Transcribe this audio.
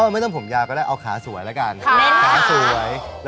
ไม่ได้อ่ะได้หมดมันไม่ตอบคำถามมันไม่ตรงอ่ะ